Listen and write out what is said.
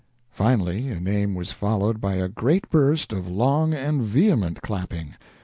Finally a name was followed by a great burst of long and vehement clapping.